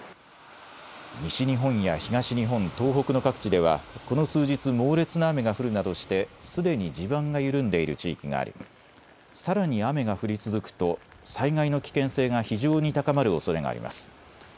西日本や東日本、東北の各地ではこの数日、猛烈な雨が降るなどしてすでに地盤が緩んでいる地域がありさらに雨が降り続くと災害の危険性が非常に高まるおそれがあります。